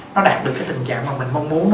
nó đạt được cái tình trạng mà mình mong muốn